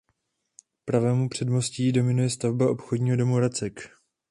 Pravému předmostí dominuje stavba obchodního domu Racek.